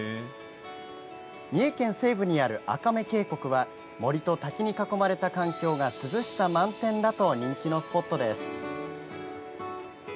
三重県西部にある赤目渓谷は森と滝に囲まれた環境が涼しさ満点だと人気のスポットです。